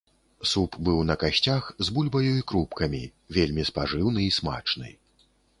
Суп быў на касцях, з бульбаю і крупкамі, вельмі спажыўны і смачны.